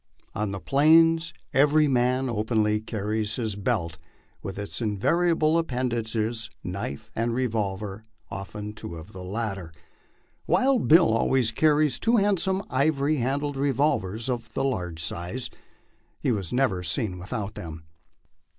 On the Plains every man openly carries his belt with its invariable appendages, knife and revolver, often two of the latter. Wild Bill always carried two handsome ivory handled revolvers of the large size ; he was never seen without them.